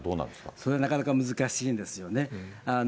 それはなかなか難しいんですよね。